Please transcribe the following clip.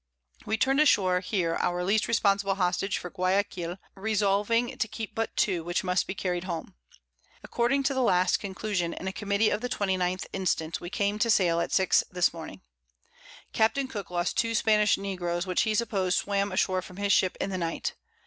We turn'd ashore here our least responsible Hostage for Guiaquil, resolving to keep but two, which must be carried home. According to the last Conclusion in a Committee of the 29th instant, we came to sail at 6 this Morning. Capt. Cooke lost 2 Spanish Negroes, which he supposed swam ashore from his Ship in the Night.